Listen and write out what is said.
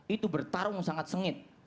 itu bertarung sangat sengit